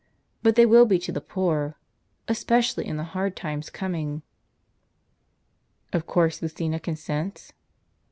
But they will be to the poor, especially in the hard times coming." " Of course Lucina consents?"